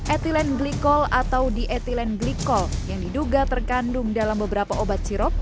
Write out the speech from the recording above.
etilen glikol atau dietilen glikol yang diduga terkandung dalam beberapa obat sirop